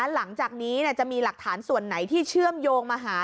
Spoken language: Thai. หลังจากนี้จะมีหลักฐานส่วนไหนที่เชื่อมโยงมาหา